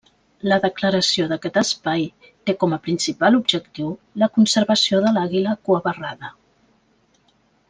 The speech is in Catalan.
La declaració d'aquest Espai té com a principal objectiu la conservació de l'àguila cuabarrada.